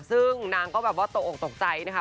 ซึ่งนางก็แบบว่าตกออกตกใจนะคะ